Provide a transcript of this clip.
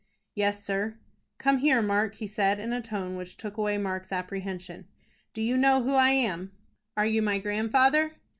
"Yes, sir." "Come here, Mark," he said, in a tone which took away Mark's apprehension. "Do you know who I am?" "Are you my grandfather?"